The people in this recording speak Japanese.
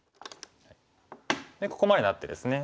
ここまでなってですね